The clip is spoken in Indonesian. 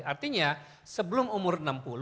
artinya sebelum umur enam puluh